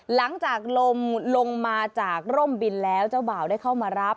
หลังจากลมลงมาจากร่มบินแล้วเจ้าบ่าวได้เข้ามารับ